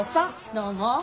どうも。